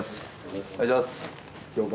お願いします